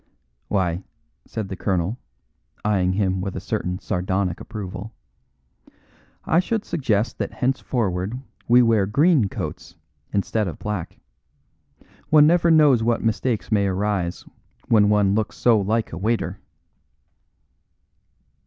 "Why," said the colonel, eyeing him with a certain sardonic approval, "I should suggest that henceforward we wear green coats, instead of black. One never knows what mistakes may arise when one looks so like a waiter."